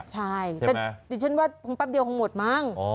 ใช่แต่ดิฉันว่าคงแป๊บเดียวคงหมดมั้ง